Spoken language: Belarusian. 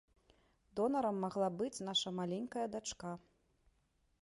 Донарам магла быць наша маленькая дачка.